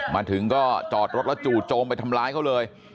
มาถึงก็จอดรถแล้วจู่โจมไปทำร้ายเขาเลย